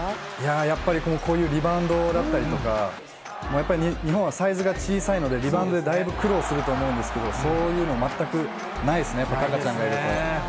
やっぱり、こういうリバウンドだったりとか、もうやっぱり日本はサイズが小さいので、リバウンドでだいぶ苦労すると思うんですけど、そういうの、全くないですね、やっぱりたかちゃんがいると。